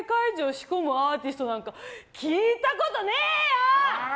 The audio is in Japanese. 仕込むアーティストなんか聞いたことねえよ！